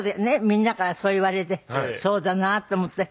みんなからそう言われてそうだなと思って。